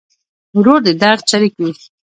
ورور د درد شریک وي.